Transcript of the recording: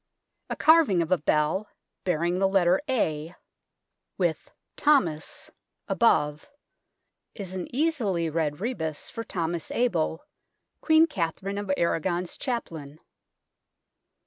A carving of a bell bearing the letter A, H4 THE TOWER OF LONDON with " Thomas " above, is an easily read rebus for Thomas Abel, Queen Catherine of Aragon's chaplain.